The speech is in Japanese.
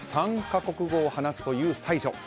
３か国語を話すという才女。